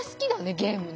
ゲームね。